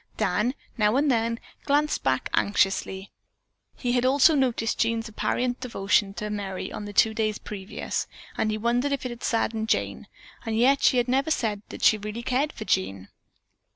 Dan, now and then, glanced back anxiously. He also had noted Jean's apparent devotion to Merry on the two days previous, and he wondered if it had saddened Jane, and yet she had never said that she really cared for Jean.